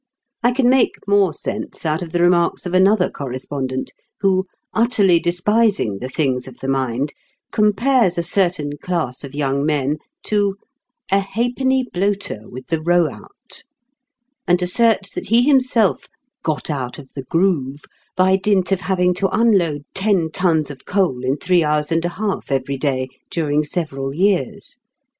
I can make more sense out of the remarks of another correspondent who, utterly despising the things of the mind, compares a certain class of young men to "a halfpenny bloater with the roe out," and asserts that he himself "got out of the groove" by dint of having to unload ten tons of coal in three hours and a half every day during several years.